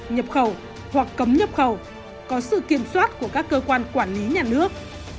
nhập khẩu hoặc cấm nhập khẩu có sự kiểm soát của các cơ quan quản lý nhà nước